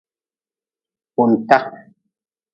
Kunta.